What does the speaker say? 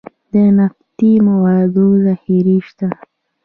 د نفتي موادو ذخیرې شته